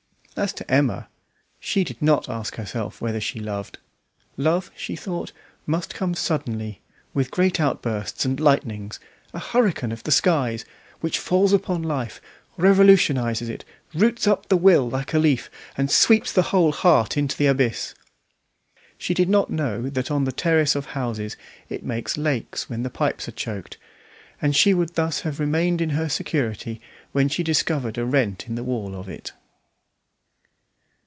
As to Emma, she did not ask herself whether she loved. Love, she thought, must come suddenly, with great outbursts and lightnings a hurricane of the skies, which falls upon life, revolutionises it, roots up the will like a leaf, and sweeps the whole heart into the abyss. She did not know that on the terrace of houses it makes lakes when the pipes are choked, and she would thus have remained in her security when she suddenly discovered a rent in the wall of it.